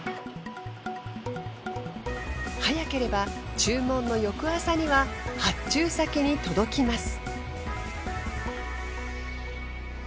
早ければ注文の翌朝には発注先に届きます。